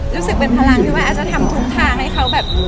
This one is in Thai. รู้สึกเป็นพลังที่ว่าอาจจะทำทุกทางให้เขาแบบ